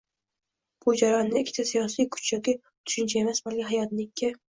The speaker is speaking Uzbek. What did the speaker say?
Bu jarayonda, ikkita siyosiy kuch yoki tushuncha emas, balki hayotni ikki